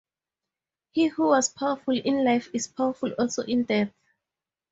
He who was powerful in life is powerful also in death.